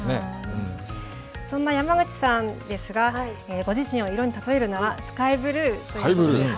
そんな山口さんですが、ご自身を色に例えるなら、スカイブルーということでした。